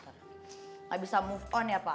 tidak bisa move on ya pak